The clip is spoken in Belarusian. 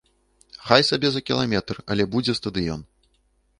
Хай сабе за кіламетр, але будзе стадыён.